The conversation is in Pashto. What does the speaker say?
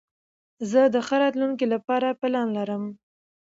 زه د ښه راتلونکي له پاره پلان لرم.